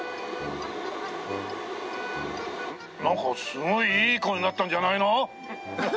なんかすごいいい顔になったんじゃないの！？